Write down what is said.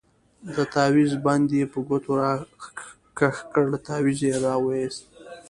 د تاويز بند يې په ګوتو راكښ كړ تاويز يې راوايست.